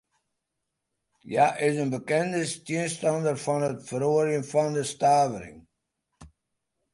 Hja is in bekende tsjinstanster fan it feroarjen fan de stavering.